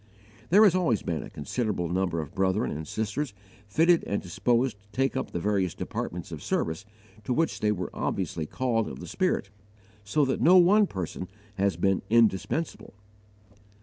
There has always been a considerable number of brethren and sisters fitted and disposed to take up the various departments of service to which they were obviously called of the Spirit, so that no one person has been indispensable.